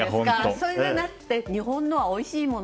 それでなくても日本はおいしいもの